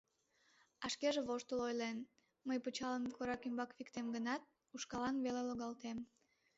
А шкеже воштыл ойлен: «Мый пычалым корак ӱмбак виктем гынат, ушкаллан веле логалтем».